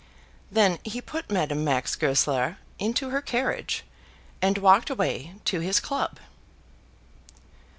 Then he put Madame Max Goesler into her carriage, and walked away to his club.